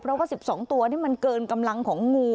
เพราะว่า๑๒ตัวนี่มันเกินกำลังของงู